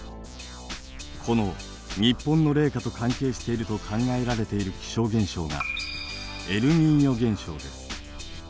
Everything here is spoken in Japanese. この日本の冷夏と関係していると考えられている気象現象が「エルニーニョ現象」です。